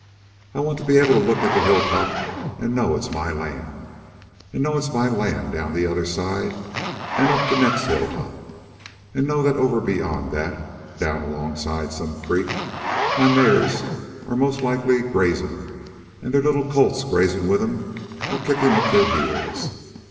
I want to be able to look at a hilltop an' know it's my land, and know it's my land down the other side an' up the next hilltop, an' know that over beyond that, down alongside some creek, my mares are most likely grazin', an' their little colts grazin' with 'em or kickin' up their heels.